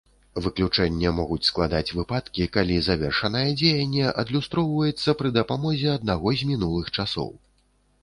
Выключэнне могуць складаць выпадкі, калі завершанае дзеянне адлюстроўваецца пры дапамозе аднаго з мінулых часоў.